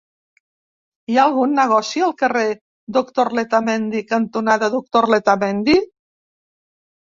Hi ha algun negoci al carrer Doctor Letamendi cantonada Doctor Letamendi?